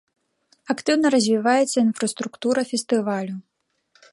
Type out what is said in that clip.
Актыўна развіваецца інфраструктура фестывалю.